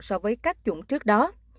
so với các chủng trước đó